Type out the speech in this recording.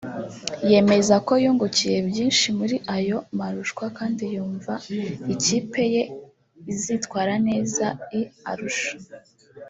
yemeza ko yungukiye byinshi muri ayo marushwa kandi yumva ikipe ye izitwara neza i Arusha